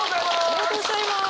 ありがとうございます。